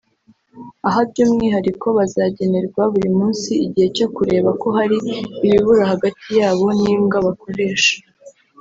aba by’umwihariko bazagenerwa buri munsi igihe cyo kureba ko hari ibibura hagati ya bo n’imbwa bakoresha